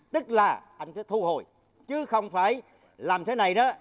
tức là anh sẽ thu hồi chứ không phải làm thế này đó